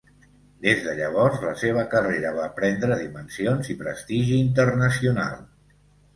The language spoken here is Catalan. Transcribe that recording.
Des de llavors la seva carrera va prendre dimensions i prestigi internacional.